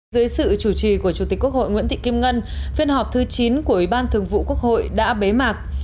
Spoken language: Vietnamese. dưới sự chủ trì của chủ tịch quốc hội nguyễn thị kim ngân phiên họp thứ chín của ủy ban thường vụ quốc hội đã bế mạc